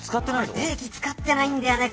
定期使ってないんだよね。